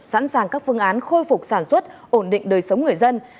sẵn sàng các phương án khôi phục sản xuất ổn định đời sống người dân